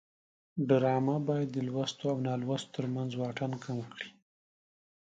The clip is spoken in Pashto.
ډرامه باید د لوستو او نالوستو ترمنځ واټن کم کړي